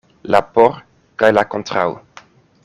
La "por" kaj la "kontraŭ".